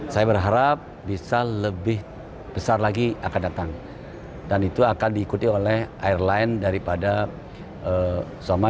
saya berharap bisa lebih besar lagi akan datang dan itu akan diikuti oleh airline daripada somad